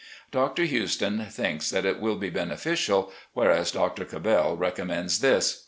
Dr. Houston thinks that it will be beneficial, whereas Dr. Cabell recommends this.